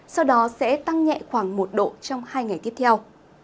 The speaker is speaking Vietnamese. sau đó sẽ tăng nhẹ khoảng một độ trong hai ngày tiếp theo